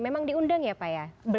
memang diundang ya pak ya